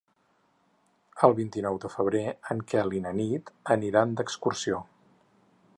El vint-i-nou de febrer en Quel i na Nit aniran d'excursió.